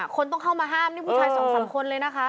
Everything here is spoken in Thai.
คนต้องเข้ามาห้ามนี่ผู้ชายสองสามคนเลยนะคะ